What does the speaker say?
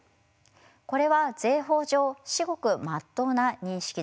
これは税法上しごくまっとうな認識です。